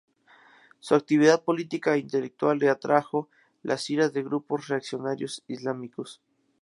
Su actividad política e intelectual le atrajo las iras de grupos reaccionarios islámicos.